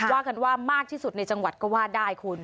ว่ากันว่ามากที่สุดในจังหวัดก็ว่าได้คุณ